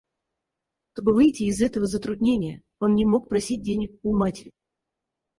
Чтобы выйти из этого затруднения, он не мог просить денег у матери.